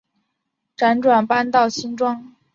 辗转搬到新庄